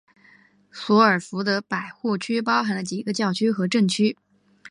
索尔福德百户区包含了几个教区和镇区。